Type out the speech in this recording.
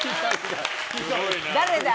誰だ？